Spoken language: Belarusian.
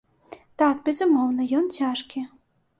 Так, безумоўна, ён цяжкі.